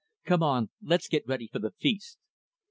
"Come on, let's get ready for the feast."